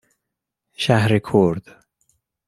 شهرکرد